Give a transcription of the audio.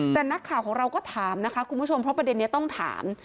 แต่นักข่าวของเราก็ถามนะคะคุณผู้ชม